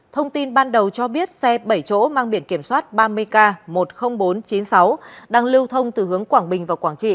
thông tin ban đầu cho biết xe bảy chỗ mang biển kiểm soát ba mươi k một mươi nghìn bốn trăm chín mươi sáu đang lưu thông từ hướng quảng bình và quảng trị